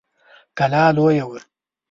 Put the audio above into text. کلا لويه وه.